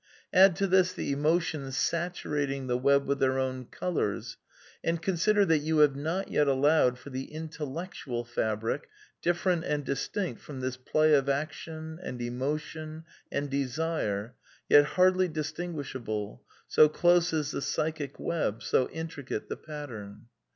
Add to this the emotions saturating the web with their own colours; and consider that you have not yet allowed for the intellectual fabric, different and distinct from this play of action and emotion and desire, yet hardly distin guishable, so close is the psychic web, so intricate the pattern.